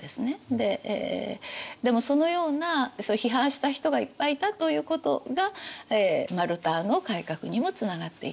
ででもそのようなそういう批判した人がいっぱいいたということがルターの改革にもつながっていったと。